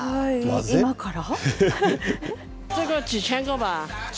今から？